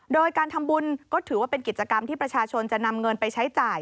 โดยการทำบุญก็ถือว่าเป็นกิจกรรมที่ประชาชนจะนำเงินไปใช้จ่าย